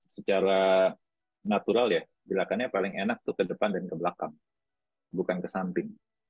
secara natural ya gerakannya paling enak tuh ke depan dan ke belakang bukan ke samping